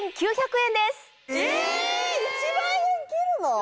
１万円切るの⁉